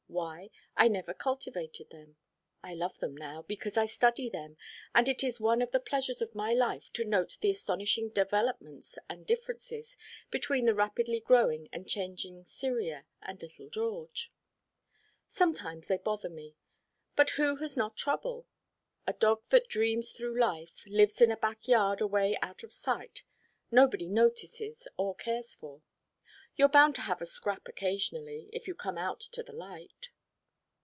Why? I never cultivated them. I love them now, because I study them, and it is one of the pleasures of my life to note the astonishing developments and differences, between the rapidly growing and changing Cyria, and little George. Sometimes they bother me, but who has not trouble? A dog that dreams through life, lives in a back yard away out of sight, nobody notices or cares for. You're bound to have a scrap occasionally, if you come out to the light.